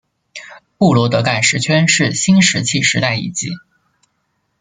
布罗德盖石圈是新石器时代遗迹。